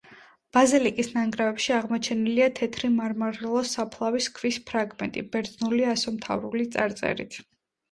ბაზილიკის ნანგრევებში აღმოჩენილია თეთრი მარმარილოს საფლავის ქვის ფრაგმენტი, ბერძნული ასომთავრული წარწერით.